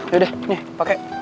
yaudah nih pake